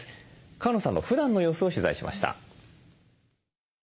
川野さんのふだんの様子を取材しました。